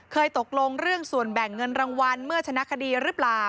ตกลงเรื่องส่วนแบ่งเงินรางวัลเมื่อชนะคดีหรือเปล่า